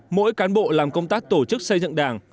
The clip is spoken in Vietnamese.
mỗi cán bộ làm công tác tổ chức xây dựng đảng